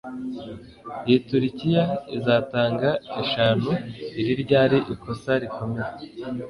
Iyi turkiya izatanga eshanu Iri ryari ikosa rikomeye